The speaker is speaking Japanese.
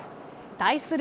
対する